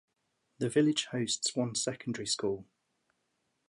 The village hosts one secondary school.